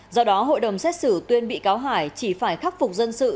do đó hội đồng xét xử tuyên bị cáo hải chỉ phải khắc phục dân sự